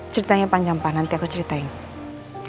ceritanya panjang pak nanti aku ceritain